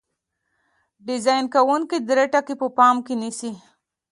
ډیزاین کوونکي درې ټکي په پام کې نیسي.